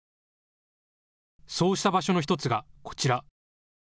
そうした場所の１つが、こちら。